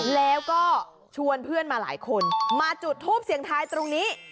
แล้วก็ชวนเพื่อนมาหลายคนมาจุดทูปเสียงทายตรงนี้